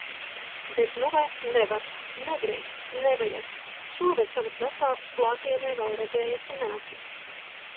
Bet nu vairs nevar. Nedrīkst, nevajag. Šogad savus vecākus klātienē vēl redzējusi neesmu.